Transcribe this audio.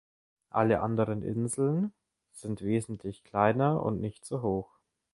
Alle anderen Insel sind westlich kleiner und nicht so hoch.